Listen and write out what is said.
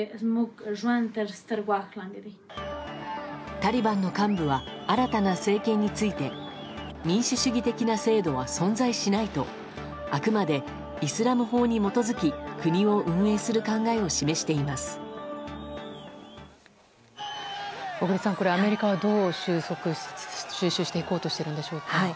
タリバンの幹部は新たな政権について民主主義的な制度は存在しないとあくまでイスラム法に基づき国を運営する考えを小栗さん、これアメリカはどう収拾していこうとしているんでしょうか。